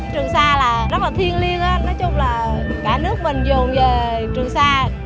trường sa là rất là thiên liêng nói chung là cả nước mình dùng về trường sa